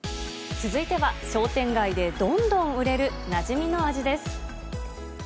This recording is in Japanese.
続いては、商店街でどんどん売れる、なじみの味です。